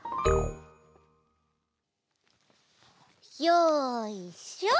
よいしょ！